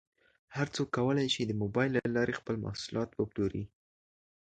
هر څوک کولی شي د مبایل له لارې خپل محصولات وپلوري.